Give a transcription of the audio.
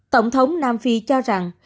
tổng thống nam phi cho rằng